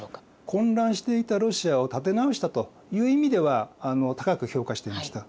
混乱していたロシアを立て直したという意味では高く評価していました。